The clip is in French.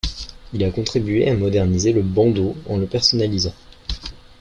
Il a contribué à moderniser le Bando en le personnalisant.